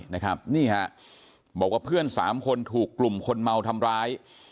นี่ฮะบอกว่าเพื่อนสามคนถูกกลุ่มคนเมาทำร้าย